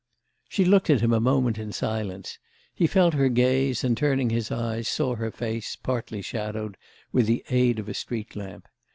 She looked at him a moment in silence; he felt her gaze and, turning his eyes, saw her face, partly shadowed, with the aid of a street lamp.